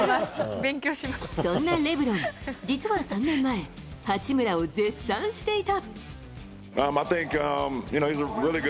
そんなレブロン、実は３年前、八村を絶賛していた。